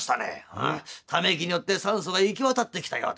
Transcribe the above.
「うんため息によって酸素が行き渡ってきたようだ。